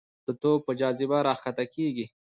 توپ په جاذبه راښکته کېږي.